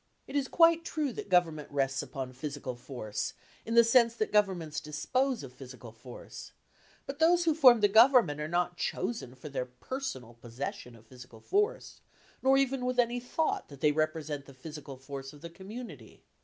It is quite true that Government rests on physical force in the sense that Governments dispose of physical force; but those who form the Government are not chosen for their personal possession of physical force, nor even with any thought that they represent the physical force of the community.